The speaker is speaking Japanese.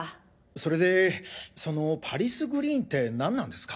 それでそのパリスグリーンって何なんですか？